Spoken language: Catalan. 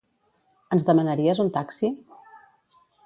Ens demanaries un taxi?